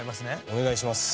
お願いします。